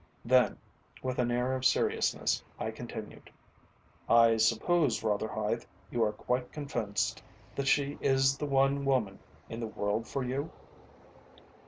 Then, with an air of seriousness, I continued, "I suppose, Rotherhithe, you are quite convinced that she is the one woman in the world for you?"